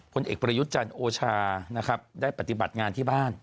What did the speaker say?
คนเอกประยุจจันทร์โอชาได้ปฏิบัติงานที่บ้าน